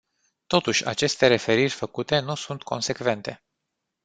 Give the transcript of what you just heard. Totuși, aceste referiri făcute nu sunt consecvente.